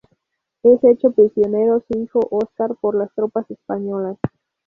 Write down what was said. Es hecho prisionero su hijo Oscar por las tropas españolas.